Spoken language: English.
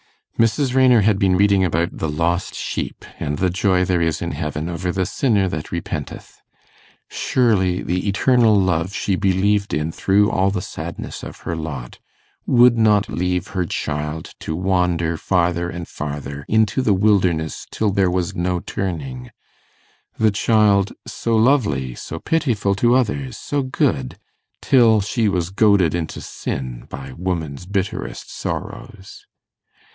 Mrs. Raynor had been reading about the lost sheep, and the joy there is in heaven over the sinner that repenteth. Surely the eternal love she believed in through all the sadness of her lot, would not leave her child to wander farther and farther into the wilderness till there was no turning the child so lovely, so pitiful to others, so good, till she was goaded into sin by woman's bitterest sorrows!